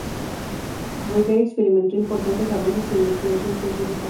Bulgaria experimentó importantes avances en investigación científica.